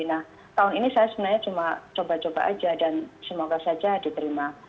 nah tahun ini saya sebenarnya cuma coba coba aja dan semoga saja diterima